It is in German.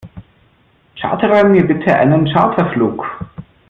Chartere mir bitte einen Charterflug!